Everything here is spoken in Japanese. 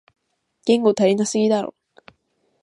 言語足りなすぎだろ